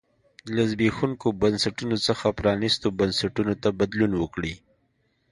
له زبېښونکو بنسټونو څخه پرانیستو بنسټونو ته بدلون وکړي.